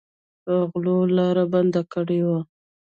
غلو لاره بنده کړې وه.